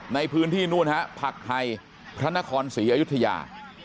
ในพื้นที่นู่นฮะผักไฮพระนครศรีอยุธยา